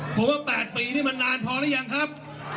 เพราะว่า๘ปีนี่มันนานพอหรือยังครับ